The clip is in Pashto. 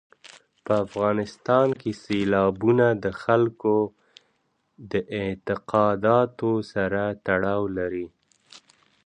په افغانستان کې سیلابونه د خلکو د اعتقاداتو سره تړاو لري.